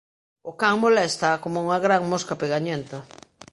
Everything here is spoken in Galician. O can moléstaa coma unha gran mosca pegañenta.